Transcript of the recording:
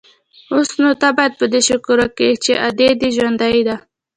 اوس نو ته بايد په دې شکر وکې چې ادې دې ژوندۍ ده.